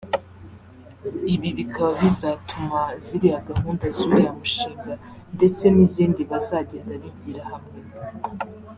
Ibi bikaba bizatuma ziriya gahunda z’uriya mushinga ndetse n’izindi bazagenda bigira hamwe